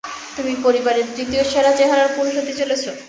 তুমি পরিবারের তৃতীয় সেরা চেহারার পুরুষ হতে চলেছ।